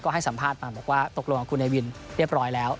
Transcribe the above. ให้สัมภาษณ์มาบอกว่าตกลงของคุณเนวินเรียบร้อยแล้ว